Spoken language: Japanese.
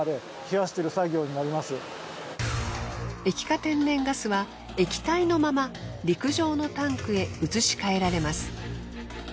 液化天然ガスは液体のまま陸上のタンクへ移し替えられます。